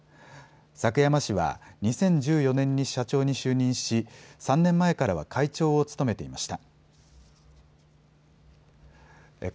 柵山氏は２０１４年に社長に就任し３年前からは会長を務めていました。